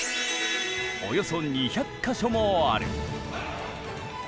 およそ２００か所もある。